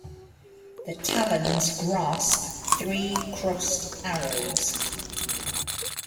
The talons grasp three crossed arrows.